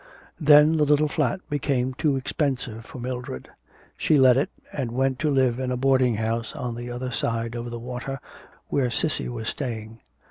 Then the little flat became too expensive for Mildred; she let it, and went to live in a boarding house on the other side of the water, where Cissy was staying.